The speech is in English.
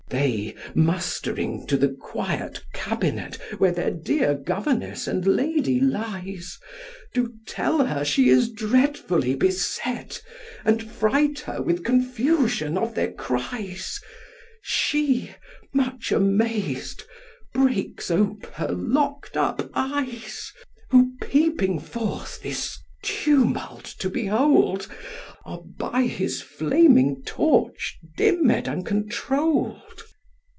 They, mustering to the quiet cabinet Where their dear governess and lady lies, Do tell her she is dreadfully beset, And fright her with confusion of their cries: She, much amazed, breaks ope her lock'd up eyes, Who, peeping forth this tumult to behold, Are by his flaming torch dimm'd and controll'd.